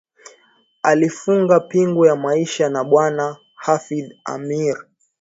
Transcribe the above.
Alifunga pingu ya maisha na Bwana Hafidh Ameir